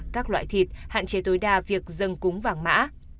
các loại thịt hạn chế tối đa việc dâng cúng vàng mã